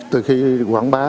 từ khi quảng bá